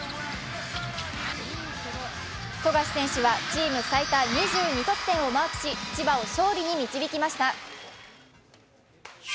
富樫選手はチーム最多２２得点をマークし千葉を勝利に導きました。